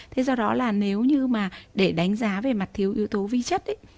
thế do đó là nếu như mà để đánh giá về mặt thiếu yếu tố vi chất ấy